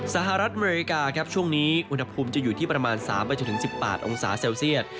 สหรัฐอเมริกาครับช่วงนี้อุณหภูมิจะอยู่ที่ประมาณ๓๑๘องศาเซลเซียต